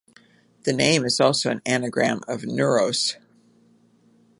The name is also an anagram of Neuros.